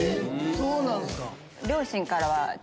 そうなんすか。